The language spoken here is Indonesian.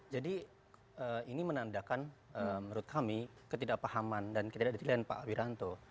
jadi ini menandakan menurut kami ketidakpahaman dan ketidakdiklian pak wiranto